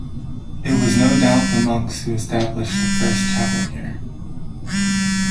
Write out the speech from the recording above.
It was no doubt the monks who established the first chapel here.